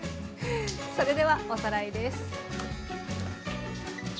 それではおさらいです。